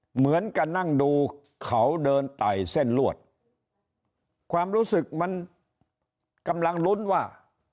เหมือนกับนั่งดูเขาเดินไต่เส้นลวดความรู้สึกมันกำลังลุ้นว่า